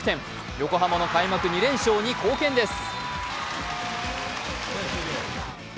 横浜の開幕２連勝に貢献です。